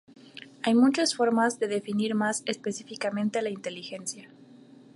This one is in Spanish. Hay muchas formas de definir más específicamente la inteligencia.